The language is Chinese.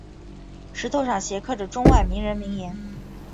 石头上镌刻着中外名人名言。